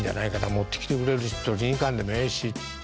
持ってきてくれる人に言いに行かんでもええしって。